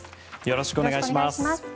よろしくお願いします。